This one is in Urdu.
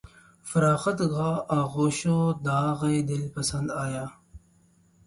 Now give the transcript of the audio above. فراغت گاہ آغوش وداع دل پسند آیا